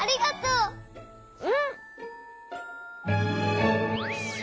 うん！